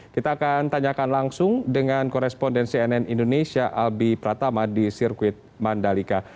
kita akan tanyakan langsung dengan korespondensi nn indonesia albi pratama di sirkuit mandalika